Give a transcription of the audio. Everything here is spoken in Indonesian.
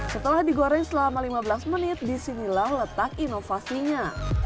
setelah digoreng selama lima belas menit disinilah letak inovasinya